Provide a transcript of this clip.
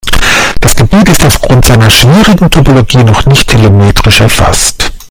Das Gebiet ist aufgrund seiner schwierigen Topologie noch nicht telemetrisch erfasst.